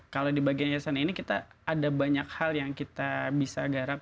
kalau di bagian yayasan ini kita ada banyak hal yang kita bisa garap